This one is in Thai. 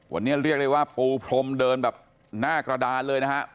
วันนี้เรียกได้ว่าปูพรมเดินแบบหน้ากระดานเลยนะฮะ